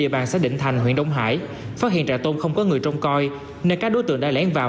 nơi địa bàn xã đình thành huyện đông hải phát hiện trại tôm không có người trông coi nên các đối tượng đã lén vào